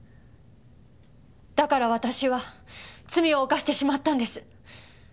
だから私は罪を犯してしまったんです！